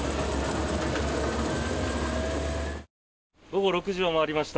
午後６時を回りました。